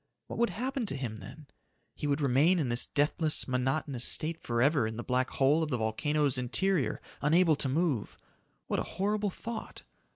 What would happen to him, then? He would remain in this deathless, monotonous state forever in the black hole of the volcano's interior unable to move. What a horrible thought!